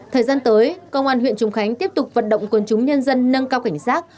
thời gian tới công an huyện trùng khánh tiếp tục vận động quân chúng nhân dân nâng cao cảnh giác